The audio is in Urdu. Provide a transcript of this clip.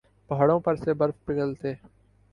پہاڑوں پر سے برف پگھلتے